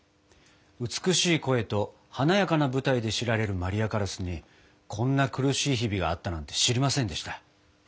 美しい声と華やかな舞台で知られるマリア・カラスにこんな苦しい日々があったなんて知りませんでした。